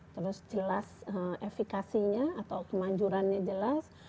terus jelas efikasinya atau kemanjurannya jelas